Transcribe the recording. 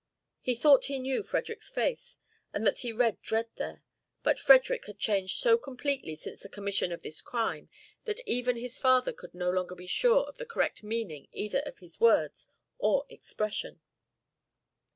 He thought he knew Frederick's face, and that he read dread there, but Frederick had changed so completely since the commission of this crime that even his father could no longer be sure of the correct meaning either of his words or expression.